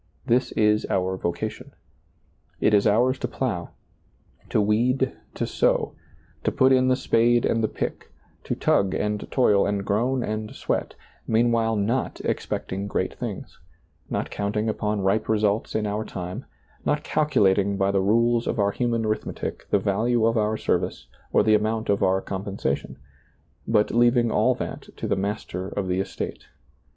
This is our vocation. It is ours to plow, to weed, to sow, to put in the spade and the pick, to tug and toil and groan and sweat, meanwhile not expecting great things, not counting upon ripe results in our time, not calculating by the rules of our human arithmetic the value of our service or the amount of our com pensation, but leaving all that to the Master of ^lailizccbvGoOgle 74 SEEING DARKLY the estate.